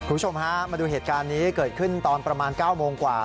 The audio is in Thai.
คุณผู้ชมฮะมาดูเหตุการณ์นี้เกิดขึ้นตอนประมาณ๙โมงกว่า